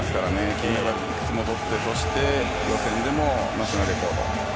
金メダルをいくつもとってそして、予選でもナショナルレコード。